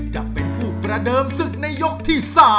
จะเป็นผู้ประเดิมศึกในยกที่๓